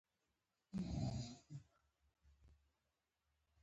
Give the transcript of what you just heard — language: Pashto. افغانستان د پابندي غرونو له پلوه ځانته ځانګړتیاوې لري.